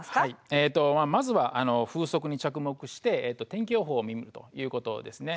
えっとまずは風速に着目して天気予報を見るということですね。